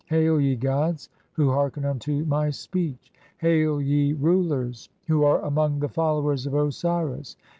"[Hail], ye gods, who hearken unto [my] speech ! Hail, ye rulers, "who are among the followers of Osiris